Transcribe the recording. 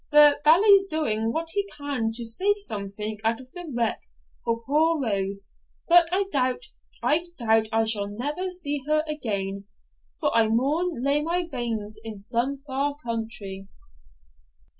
The Bailie's doing what he can to save something out of the wreck for puir Rose; but I doubt, I doubt, I shall never see her again, for I maun lay my banes in some far country.'